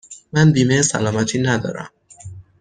من بیمه سلامتی ندارم.